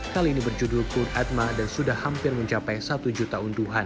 kali ini berjudul kun atma dan sudah hampir mencapai satu juta unduhan